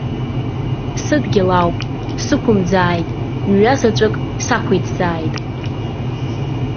Сыдгьыл ауп, сықәымӡааит, мҩазаҵәык сақәиҭзааит.